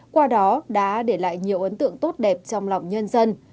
qua đó đã để lại nhiều ấn tượng tốt đẹp trong lòng nhân dân